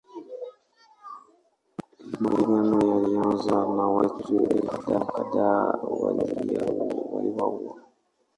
Mapigano yalianza na watu elfu kadhaa waliuawa.